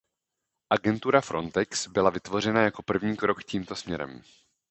Agentura Frontex byla vytvořena jako první krok tímto směrem.